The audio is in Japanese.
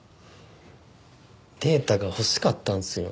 データが欲しかったんすよ。